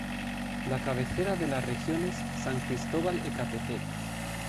La cabecera de la región es San Cristóbal Ecatepec.